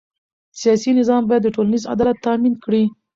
سیاسي نظام باید ټولنیز عدالت تأمین کړي